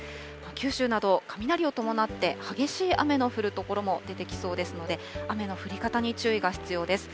九州など、雷を伴って激しい雨の降る所も出てきそうですので、雨の降り方に注意が必要です。